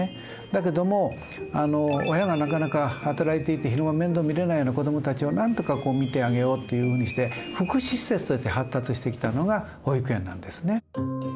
だけども親がなかなか働いていて昼間面倒見れないような子どもたちをなんとかこう見てあげようっていうふうにして福祉施設として発達してきたのが保育園なんですね。